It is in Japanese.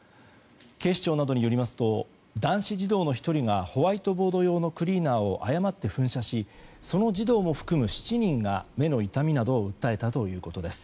警視庁などによりますと男子児童の１人がホワイトボード用のクリーナーを誤って噴射しその児童も含む７人が目の痛みなどを訴えたということです。